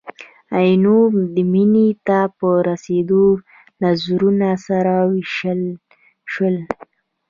عینو مینې ته په رسېدلو نظرونه سره ووېشل شول.